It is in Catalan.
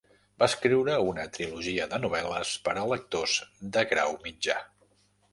Va escriure una trilogia de novel·les per a lectors de grau mitjà.